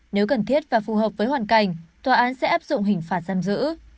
nếu cần thiết và phù hợp với hoàn cảnh tòa án sẽ áp dụng hình phạt giam giữ